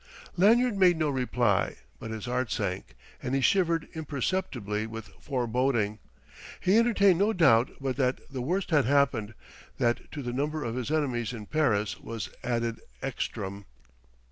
Lanyard made no reply; but his heart sank, and he shivered imperceptibly with foreboding. He entertained no doubt but that the worst had happened, that to the number of his enemies in Paris was added Ekstrom.